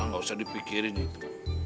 gak usah dipikirin itu